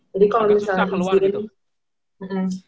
jadi kalau misalnya di sini